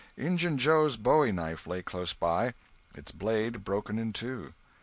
Injun Joe's bowie knife lay close by, its blade broken in two.